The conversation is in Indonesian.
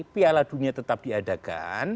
piala dunia tetap diadakan